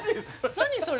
何それ？